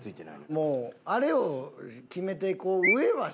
もうあれを決めていこう。